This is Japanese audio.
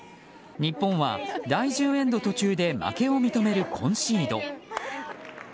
日本は第１０エンド途中で負けを認めるコンシード。